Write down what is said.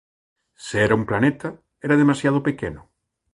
Se era un planeta era demasiado pequeno.